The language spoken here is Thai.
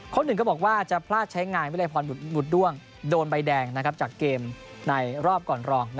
หนึ่งก็บอกว่าจะพลาดใช้งานวิรัยพรหลุดด้วงโดนใบแดงจากเกมในรอบก่อนรอง